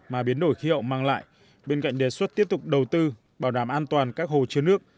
mà biến đổi khí hậu mang lại bên cạnh đề xuất tiếp tục đầu tư bảo đảm an toàn các hồ chứa nước